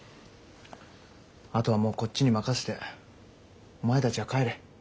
あとはもうこっちに任せてお前たちは帰れ。